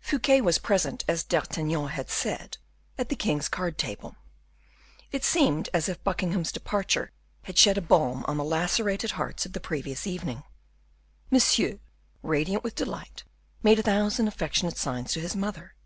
Fouquet was present, as D'Artagnan had said, at the king's card table. It seemed as if Buckingham's departure had shed a balm on the lacerated hearts of the previous evening. Monsieur, radiant with delight, made a thousand affectionate signs to his mother.